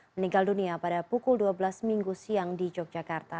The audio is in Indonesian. meninggal dunia pada pukul dua belas minggu siang di yogyakarta